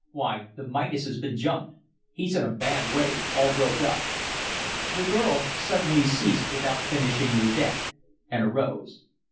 Why, the Midas has been jumped. He's in a bad way all broke up." The girl suddenly ceased without finishing the deck, and arose.